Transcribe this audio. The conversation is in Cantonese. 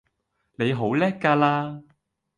你好叻㗎啦